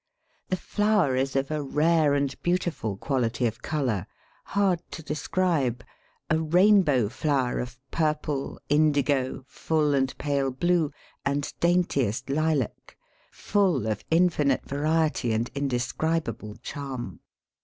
The flower is of a rare and beautiful quality of colour, hard to describe a rainbow flower of purple, indigo, full and pale blue, and daintiest lilac, full of infinite variety and indescribable charm.